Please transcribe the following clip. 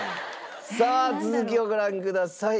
さあ続きをご覧ください。